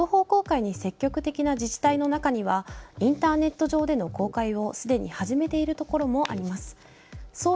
情報公開に積極的な自治体の中にはインターネット上での公開をすでに始めているところもあります。